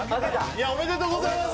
おめでとうございます。